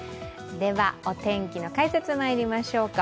お天気の解説にまいりましょうか。